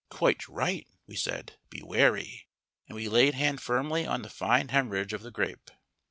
"Quite right," we said; "be wary." And we laid hand firmly on the fine hemorrhage of the grape.